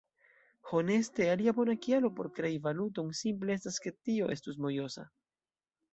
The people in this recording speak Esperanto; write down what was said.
Honeste, alia bona kialo por krei valuton simple estas ke tio estus mojosa.